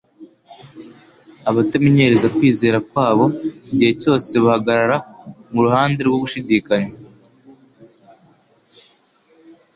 Abatamenyereza kwizera kwabo, igihe cyose bahagarara mu ruhande rwo gushidikanya.